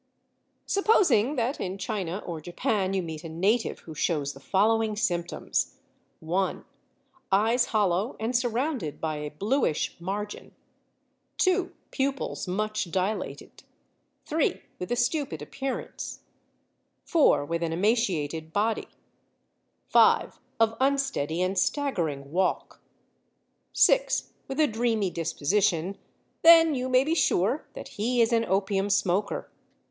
Supposing that in China or Japan you meet a native who shows the following symptoms: (1) Eyes hollow and surrounded by a bluish margin; (2) pupils much dilated; (3) with a stupid appearance; (4) with an emaciated body; (5) of unsteady and staggering walk; (6) with a dreamy disposition; then, you may be sure that he is an opium smoker.